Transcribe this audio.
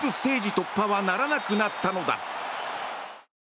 突破はならなくなったのだ。